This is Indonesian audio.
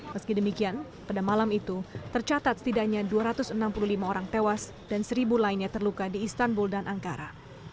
meski demikian pada malam itu tercatat setidaknya dua ratus enam puluh lima orang tewas dan seribu lainnya terluka di istanbul dan ankara